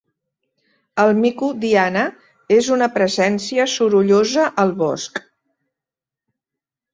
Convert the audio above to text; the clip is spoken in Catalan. El mico Diana és una presència sorollosa al bosc.